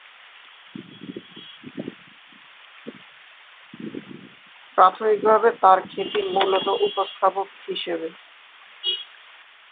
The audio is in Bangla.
প্রাথমিকভাবে তার খ্যাতি মূলত উপস্থাপক হিসেবে।